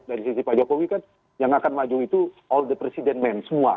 dari sisi pak jokowi kan yang akan maju itu all the president men semua